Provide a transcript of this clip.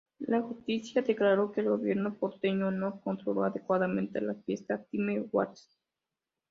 La Justicia declaró que el gobierno porteño no controló adecuadamente la fiesta Time Warp.